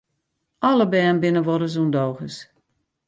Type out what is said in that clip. Alle bern binne wolris ûndogens.